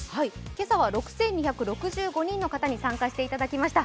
今朝は６２６５人の方に参加していただきました。